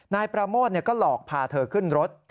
นายประโมทก็หลอกพาเธอขึ้นรถ